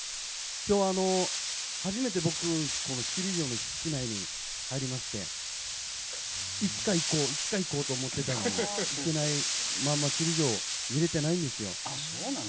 きょう、初めて僕この首里城の敷地内に入りましていつか行こうと思ってたのに行けないまま、首里城見られてないんですよ。